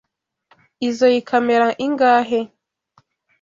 Izoi kamera ingahe?